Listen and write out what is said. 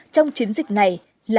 trong chiến dịch này là